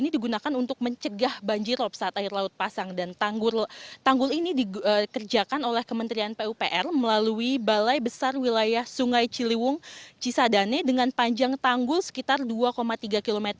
ini digunakan untuk mencegah banjirop saat air laut pasang dan tanggul ini dikerjakan oleh kementerian pupr melalui balai besar wilayah sungai ciliwung cisadane dengan panjang tanggul sekitar dua tiga km